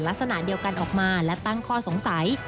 ลักษณะเดียวกันออกมาและตั้งข้อสงสัย